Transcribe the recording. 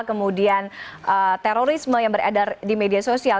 kemudian terorisme yang beredar di media sosial